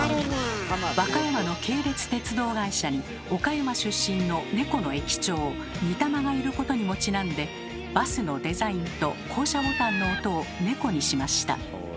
和歌山の系列鉄道会社に岡山出身のネコの駅長ニタマがいることにもちなんでバスのデザインと降車ボタンの音をネコにしました。